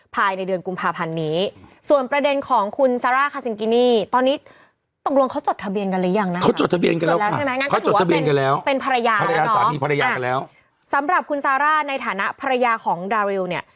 สำหรับคุณซาร่าในฐานะภรรยาของดาริลเนี่ย